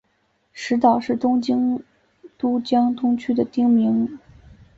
石岛是东京都江东区的町名。